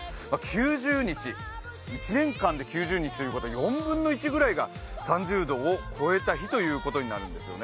９０日、１年間で９０日ということは１年間で４分の１ぐらいが３０度を超えたということになるんですよね。